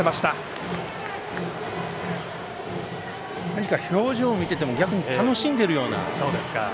何か表情を見ていても逆に楽しんでいるような。